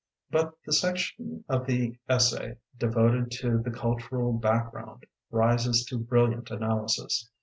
But the section of the essay devoted to the Cul tural Background rises to brilliant analysis.